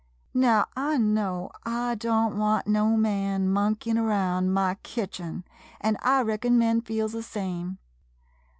Now, I know I don't want no man mon keyin' round my kitchen, an' I reckon men feels the same.